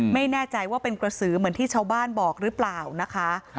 ไม่แน่ใจว่าเป็นกระสือเหมือนที่ชาวบ้านบอกหรือเปล่านะคะ